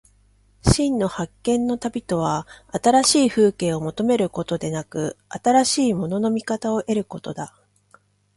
真の発見の旅とは、新しい風景を求めることでなく、新しいものの見方を得ることだ。